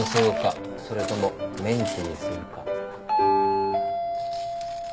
それともメンチにするか。